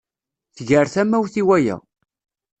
Tger tamawt i waya.